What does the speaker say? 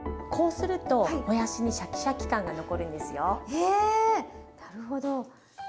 へえなるほど。